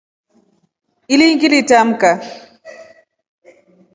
Ini ngilitamka.